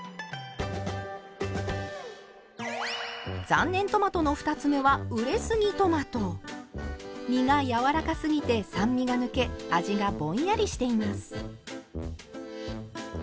残念トマトの２つ目は実がやわらかすぎて酸味が抜け味がぼんやりしています。